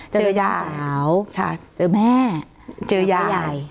เจอยายสาวเจอแม่เจอยาย